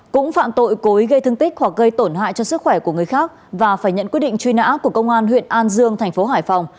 cũng phạm tội cối gây thương tích hoặc gây tổn hại cho sức khỏe của người khác và phải nhận quyết định truy nã của công an huyện an dương tp hải phòng